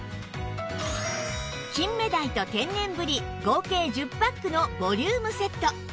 金目鯛と天然ぶり合計１０パックのボリュームセット